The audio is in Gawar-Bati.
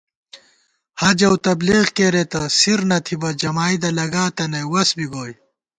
حج اؤ تبلیغ کېرېتہ سِر نہ تھِبہ جمائدہ لگاتہ نئ وَس بی گوئی